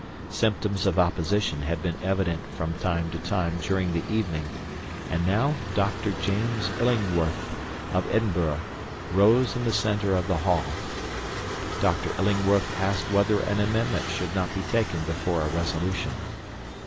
Symptoms of opposition had been evident from time to time during the evening, and now Dr. James Illingworth, of Edinburgh, rose in the center of the hall. Dr. Illingworth asked whether an amendment should not be taken before a resolution.